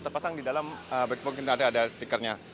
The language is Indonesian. diserang di dalam back pocket ada ada stikernya